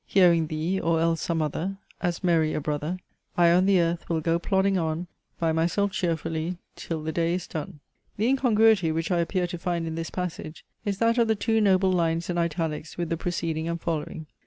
Hearing thee or else some other, As merry a brother I on the earth will go plodding on By myself cheerfully till the day is done." The incongruity, which I appear to find in this passage, is that of the two noble lines in italics with the preceding and following.